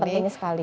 ya penting sekali